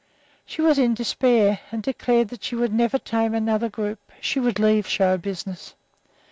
She was in despair, and declared that she would never tame another group; she would leave the show business.